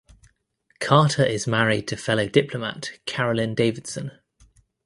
Carter is married to fellow diplomat Carolyn Davidson.